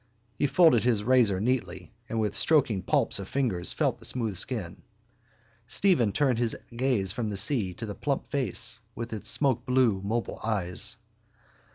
He folded his razor neatly and with stroking palps of fingers felt the smooth skin. Stephen turned his gaze from the sea and to the plump face with its smokeblue mobile eyes.